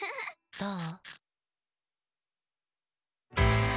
どう？